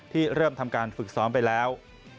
เริ่มทำการฝึกซ้อมไปแล้ว